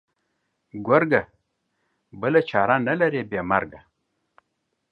گرگه! بله چاره نه لري بې مرگه.